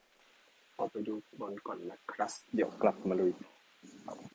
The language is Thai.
ขอไปดูบอลก่อนนะครัส เดี๋ยวกลับมาลุยต่อ